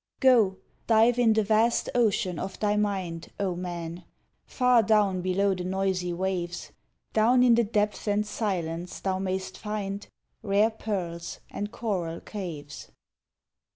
Go, dive in the vast ocean of thy mind, O man! far down below the noisy waves, Down in the depths and silence thou mayst find Rare pearls and coral caves.